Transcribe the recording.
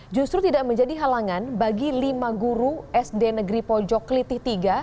justru tidak menjadi halangan bagi lima guru sd negeri pojok kelitih tiga